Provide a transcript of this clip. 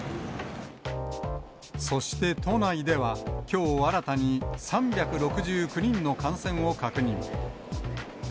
そして都内では、きょう、新たに３６９人の感染を確認。